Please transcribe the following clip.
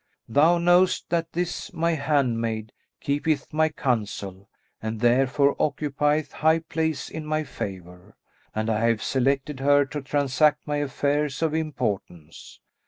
Thou knowest that this my handmaiden keepeth my counsel and therefore occupieth high place in my favour; and I have selected her to transact my affairs of importance.